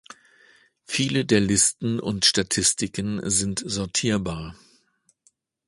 Viele der Listen und Statistiken sind sortierbar.